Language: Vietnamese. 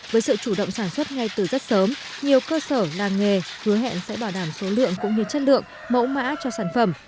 với sự chủ động sản xuất ngay từ rất sớm nhiều cơ sở làng nghề hứa hẹn sẽ bảo đảm số lượng cũng như chất lượng mẫu mã cho sản phẩm